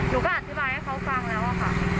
หนูก็อธิบายให้เขาฟังแล้วค่ะ